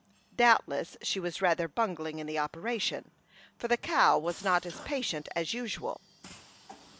Doubtless she was rather bungling in the operation, for the cow was not as patient as usual.